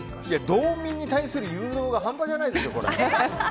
道民に対する誘導が半端じゃないですよ、これは。